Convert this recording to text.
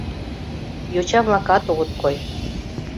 Йоча-влакат огыт кой.